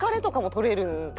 取れる。